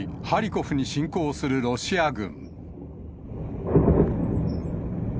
ハリコフに侵攻するロシア軍。